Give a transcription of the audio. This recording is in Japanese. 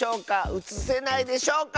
うつせないでしょうか？